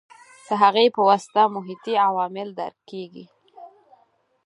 د هغې په واسطه محیطي عوامل درک کېږي.